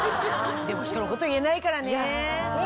でもひとのこと言えないからね。